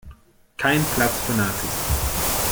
Kein Platz für Nazis.